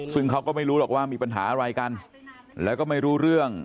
ซึ่งเขาก็ไม่รู้หรอกว่ามีปัญหาอะไรกันแล้วก็ไม่รู้เรื่อง